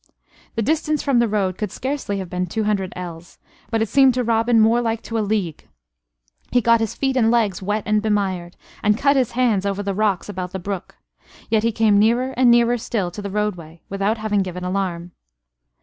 The distance from the road could scarcely have been two hundred ells, but it seemed to Robin more like to a league. He got his feet and legs wet and bemired; and cut his hands over the rocks about the brook. Yet he came nearer and nearer still to the roadway without having given alarm.